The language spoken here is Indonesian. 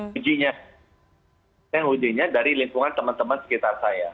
saya menguji nya dari lingkungan teman teman sekitar saya